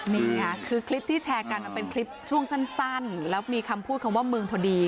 นี่ไงคือคลิปที่แชร์กันมันเป็นคลิปช่วงสั้นแล้วมีคำพูดคำว่ามึงพอดี